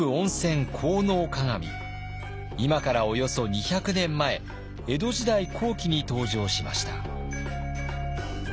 今からおよそ２００年前江戸時代後期に登場しました。